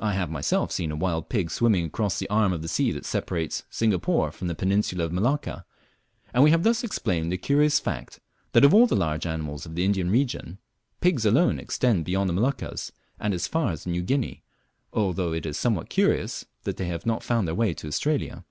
I have myself seen a wild pig swimming across the arm of the sea that separates Singapore from the Peninsula of Malacca, and we thus have explained the curious fact, that of all the large mammals of the Indian region, pigs alone extend beyond the Moluccas and as far as New Guinea, although it is somewhat curious that they have not found their way to Australia.